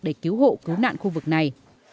để cứu hộ cứu nạn khu vực này